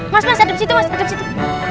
mas mas hadap situ mas hadap situ